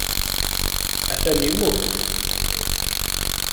Atan immut?